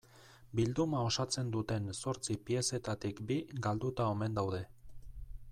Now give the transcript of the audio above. Bilduma osatzen duten zortzi piezetatik bi galduta omen daude.